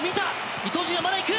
伊東純也、まだ行く。